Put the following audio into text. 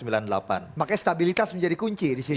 makanya stabilitas menjadi kunci di sini